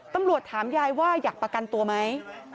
ตำรวจถามยายว่าอยากประกันตัวไหม